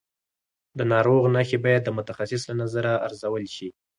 د ناروغ نښې باید د متخصص له نظره ارزول شي.